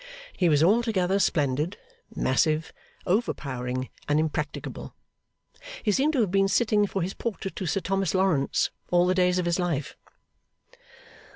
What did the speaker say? He was altogether splendid, massive, overpowering, and impracticable. He seemed to have been sitting for his portrait to Sir Thomas Lawrence all the days of his life.